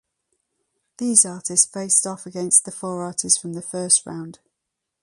These artists faced off against the four artists from the first round.